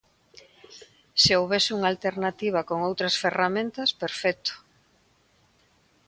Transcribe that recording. Se houbese unha alternativa con outras ferramentas, perfecto.